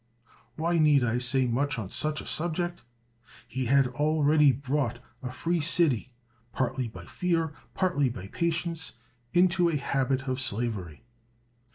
Why need I say much on such a subject? He had already brought a free city, partly by fear, partly by patience, into a habit of slavery.